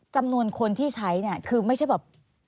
จำนวนคนที่ใช้เนี่ยคือไม่ใช่แบบ